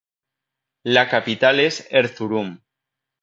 La capital es Erzurum.